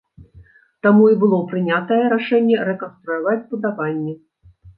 Таму і было прынятае рашэнне рэканструяваць збудаванне.